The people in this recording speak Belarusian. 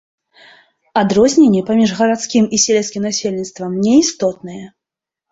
Адрозненні паміж гарадскім і сельскім насельніцтвам не істотныя.